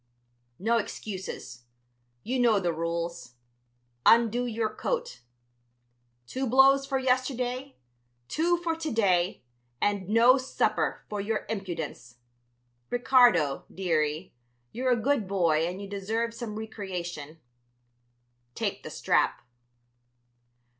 "No excuses. You know the rules. Undo your coat; two blows for yesterday, two for to day, and no supper, for your impudence. Ricardo, dearie, you're a good boy and you deserve some recreation. Take the strap."